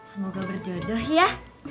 semoga berjodoh ya